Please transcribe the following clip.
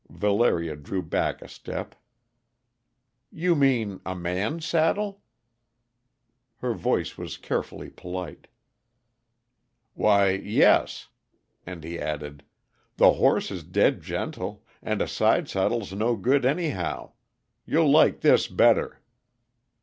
Valeria drew back a step. "You mean a man's saddle?" Her voice was carefully polite. "Why, yes." And he added: "The horse is dead gentle and a sidesaddle's no good, anyhow. You'll like this better."